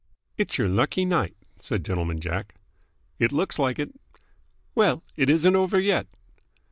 "It's your lucky night," said Gentleman Jack. "It looks like it." "Well, it isn't over yet."